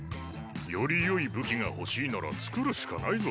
よりよい武器が欲しいなら作るしかないぞ。